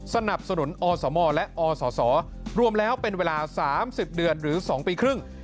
สนับสนุนอสมและอศรวมแล้วเป็นเวลา๓๐เดือนหรือ๒ปีครึ่ง